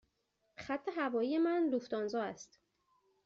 خط هوایی من لوفتانزا است.